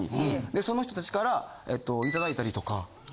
その人達から頂いたりとか。